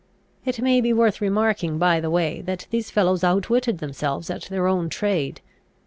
It may be worth remarking by the way, that these fellows outwitted themselves at their own trade.